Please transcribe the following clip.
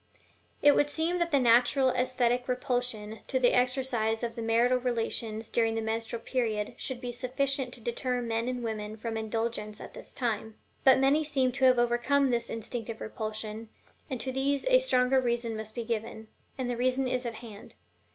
It would seem that the natural esthetic repulsion to the exercise of the marital relations during the menstrual period should be sufficient to deter men and women from indulgence at this time; but many seem to have overcome this instinctive repulsion, and to these a stronger reason must be given and the reason is at hand.